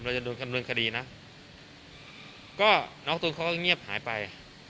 เราจะโดนดำเนินคดีนะก็น้องตูนเขาก็เงียบหายไป